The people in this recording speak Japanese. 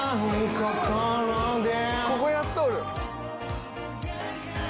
ここやっとる。